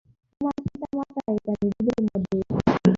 তোমার পিতা-মাতা এটা নিজেদের মধ্যেই রেখেছিলেন।